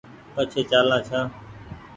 پڇي چآلان ڇآن